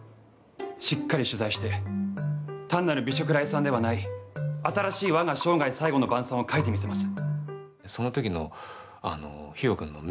しっかり取材して単なる美食礼賛ではない新しい「我が生涯最後の晩餐」を書いてみせます。